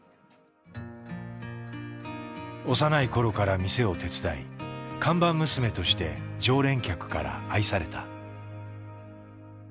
幼い頃から店を手伝い看板娘として常連客から愛された。